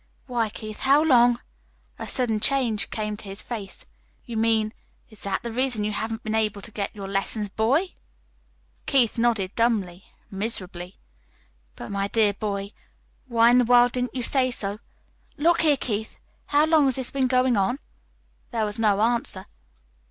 "Why, Keith, how long " A sudden change came to his face. "You mean is that the reason you haven't been able to get your lessons, boy?" Keith nodded dumbly, miserably. "But, my dear boy, why in the world didn't you say so? Look here, Keith, how long has this been going on?" There was no answer.